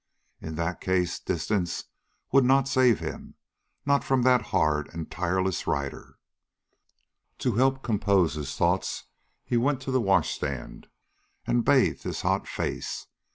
In that case distance would not save him, not from that hard and tireless rider. To help compose his thoughts he went to the washstand and bathed his hot face.